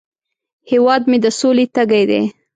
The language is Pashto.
هیواد مې د سولې تږی دی